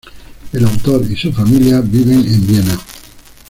El autor y su familia viven en Viena.